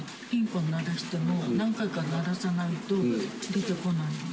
ピンポン鳴らしても、何回か鳴らさないと出てこない。